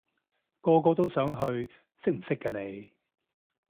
個個都想去，識唔識㗎你？